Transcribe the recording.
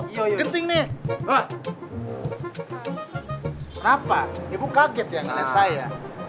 kenapa ibu kaget ya ngelihat saya